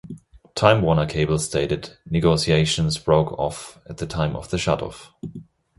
Time Warner Cable stated negotiations broke off at the time of the shutoff.